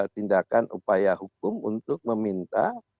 tindakan upaya hukum untuk meminta